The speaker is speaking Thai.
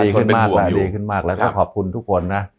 ดีขึ้นมากแล้วก็ขอบคุณทุกคนนะ